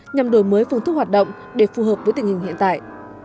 nhằm đổi mới phương thức hoạt động để phù hợp với tình hình hiện tại